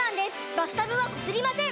バスタブはこすりません！